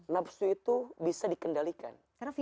nafsu itu bisa dikendalikan